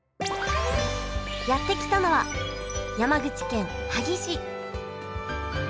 やって来たのは山口県萩市！